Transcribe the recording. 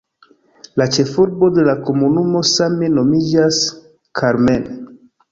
La ĉefurbo de la komunumo same nomiĝas "Carmen".